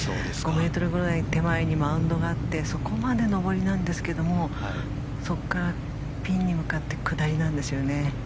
５ｍぐらい手前にマウンドがあってそこまで上りなんですけどそこからピンに向かって下りなんですよね。